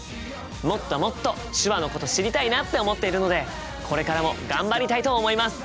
もっともっと手話のこと知りたいなって思っているのでこれからも頑張りたいと思います！